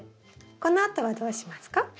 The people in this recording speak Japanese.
このあとはどうしますか？